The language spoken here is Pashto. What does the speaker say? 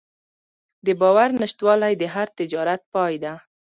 د باور نشتوالی د هر تجارت پای ده.